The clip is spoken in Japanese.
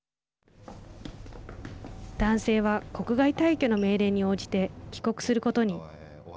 男性は、国外退去の命令に応じて帰国することに。